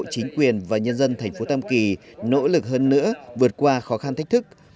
chính quyền và nhân dân thành phố tam kỳ nỗ lực hơn nữa vượt qua khó khăn thách thức